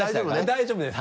大丈夫です。